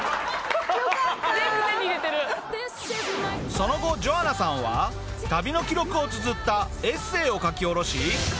その後ジョアナさんは旅の記録をつづったエッセーを書き下ろし。